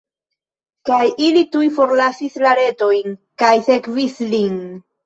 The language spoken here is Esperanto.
Kaj ili tuj forlasis la retojn, kaj sekvis lin.